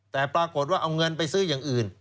แต่ปรากฏว่าเอาเงินไปซื้ออย่างอื่น